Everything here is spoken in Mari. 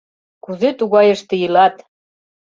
Кузе тугайыште илат?